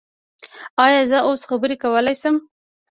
ایا زه اوس خبرې کولی شم؟